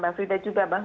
mbak frida juga bahwa